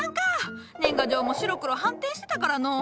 年賀状も白黒反転してたからのう。